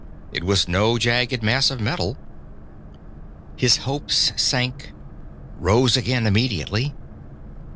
It was no jagged mass of metal. His hopes sank, rose again immediately.